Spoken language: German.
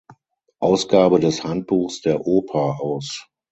Ausgabe des "Handbuchs der Oper" aus.